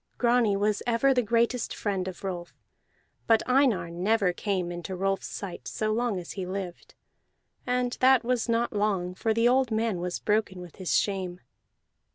Grani was ever the greatest friend of Rolf, but Einar never came into Rolf's sight so long as he lived; and that was not long, for the old man was broken with his shame.